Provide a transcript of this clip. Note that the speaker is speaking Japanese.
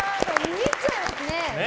見入っちゃいますね。